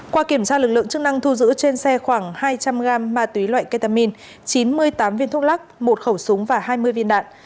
qua kiểm tra lực lượng chức năng thu giữ trên xe khoảng hai trăm linh g ma túy loại ketamin chín mươi tám viên thuốc lắc một khẩu súng và hai mươi viên đạn